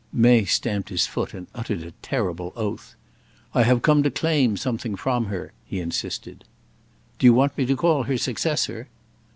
May stamped his foot and uttered a terrible oath. "I have come to claim something from her," he insisted. "Do you want me to call her successor?"